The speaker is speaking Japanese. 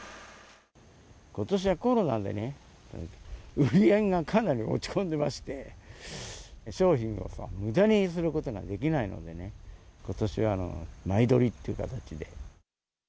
ことしはコロナでね、売り上げがかなり落ち込んでまして、商品をむだにすることができないのでね、ことしは前採りという形で。